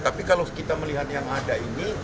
tapi kalau kita melihat yang ada ini